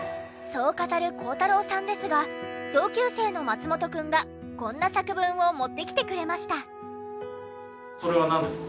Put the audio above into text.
そう語る孝太郎さんですが同級生の松本くんがこんな作文を持ってきてくれました。